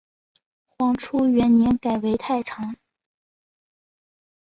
黄初元年改为太常。